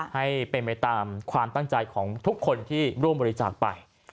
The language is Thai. ให้เป็นไปตามความตั้งใจของทุกคนที่ร่วมบริจาคไป